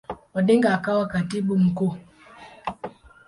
Odinga akawa Katibu Mkuu.